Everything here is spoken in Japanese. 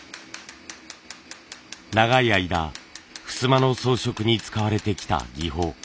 長い間ふすまの装飾に使われてきた技法。